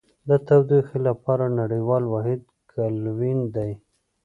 د تودوخې لپاره نړیوال واحد کلوین دی.